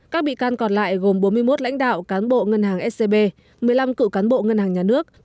các bị can còn lại gồm bốn mươi một lãnh đạo cán bộ ngân hàng scb một mươi năm cựu cán bộ ngân hàng nhà nước